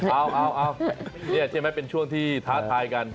เอานี่ใช่ไหมเป็นช่วงที่ท้าทายกัน